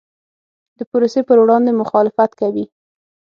د پروسې پر وړاندې مخالفت کوي.